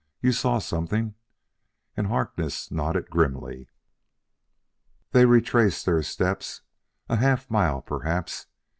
"You saw something?" And Harkness nodded grimly. They retraced their steps. A half mile, perhaps.